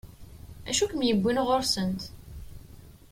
D acu i kem-yewwin ɣur-sent?